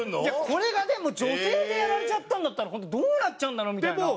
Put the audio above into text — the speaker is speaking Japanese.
これがでも女性でやられちゃったんだったら本当どうなっちゃうんだろう？みたいな。